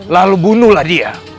lalu bunuhlah dia